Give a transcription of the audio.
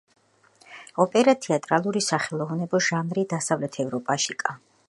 ოპერა თეატრალური სახელოვნებო ჟანრი დასავლეთ ევროპაში, რომელშიც მუსიკა